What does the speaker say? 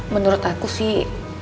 menurut aku sih